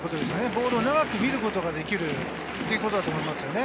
ボールを長く見ることができるということだと思いますね。